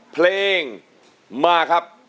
เพลงมาครับ